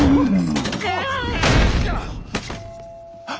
あっ！